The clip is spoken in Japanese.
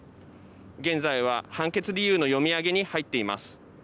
現在は判決理由の読み上げに入っています。